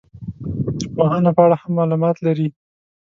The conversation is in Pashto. د پوهانو په اړه هم معلومات لري.